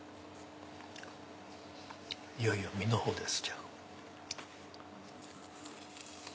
いよいよ身のほうです。